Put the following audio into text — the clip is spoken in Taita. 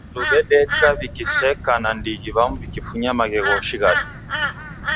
Wandu wedeka wikiseka na ndighi wamu wikifunya maghegho shighadi